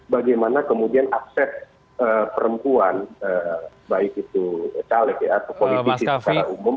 bagaimana kemudian akses perempuan baik itu caleg atau politisi secara umum